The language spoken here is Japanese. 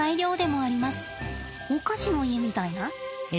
お菓子の家みたいな？